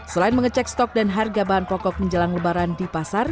selain mengecek stok dan harga bahan pokok menjelang lebaran di pasar